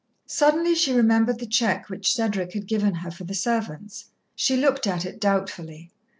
Suddenly she remembered the cheque which Cedric had given her for the servants. She looked at it doubtfully.